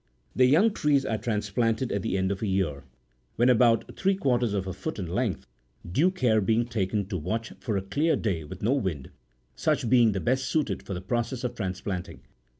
The young trees are trans planted at the end of a year, when about three quarters of a foot in length, due care being taken to watch for a clear day with no wind, such being the best suited for the process of transplanting.